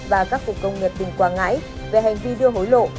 và các cục công nghiệp tỉnh quảng ngãi về hành vi đưa hối lộ